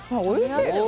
おいしい！